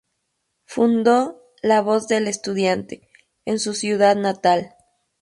Fundó "La Voz del Estudiante" en su ciudad natal".